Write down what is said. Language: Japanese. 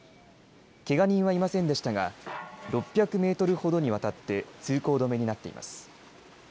けが人はいませんでしたが６００メートルほどにわたって通行止めになっています。